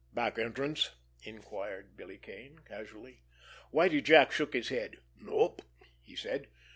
"Back entrance?" inquired Billy Kane casually. Whitie Jack shook his head. "Nope!" he said.